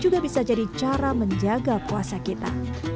juga bisa jadi cara menjaga puasa kita